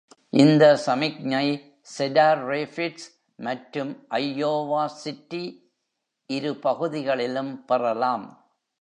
இந்த சமிக்ஞை Cedar Rapids மற்றும் ஐயோவா சிட்டி இரு பகுதிகளிலும் பெறலாம்.